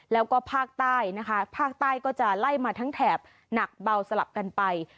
แล้วก็ภาคใต้นะคะภาคใต้ก็จะไล่มาทั้งแถบหนักเบาสลับกันไป